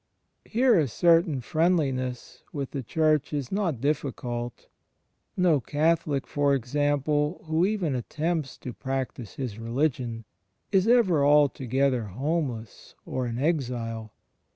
Hence a certain "friendliness" with the Church is not difficult. No Catholic, for example, who even attempts to practise his religion, is ever altogether homeless or an exile.